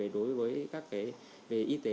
đối với các y tế